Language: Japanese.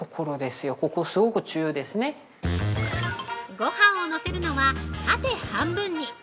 ◆ごはんをのせるのは、縦半分に。